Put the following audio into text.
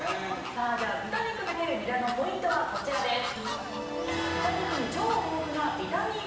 さあでは豚肉×ニラのポイントはこちらです。